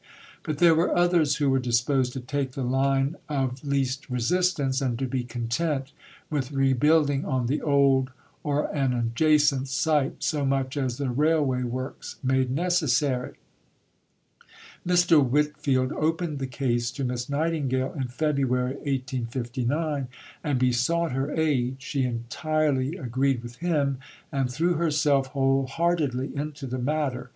But there were others who were disposed to take the line of least resistance, and to be content with rebuilding on the old or an adjacent site so much as the railway works made necessary. Mr. Whitfield opened the case to Miss Nightingale in February 1859, and besought her aid; she entirely agreed with him, and threw herself whole heartedly into the matter.